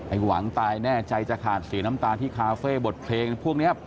หวังตายแน่ใจจะขาดเสียน้ำตาที่คาเฟ่บทเพลงพวกนี้